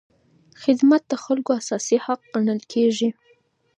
خدمت د خلکو اساسي حق ګڼل کېږي.